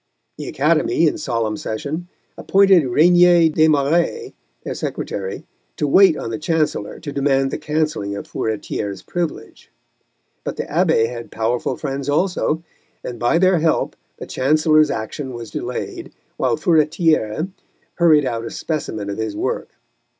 The Academy, in solemn session, appointed Regnier Desmarais, their secretary, to wait on the Chancellor to demand the cancelling of Furetière's privilege. But the Abbé had powerful friends also, and by their help the Chancellor's action was delayed, while Furetière hurried out a specimen of his work.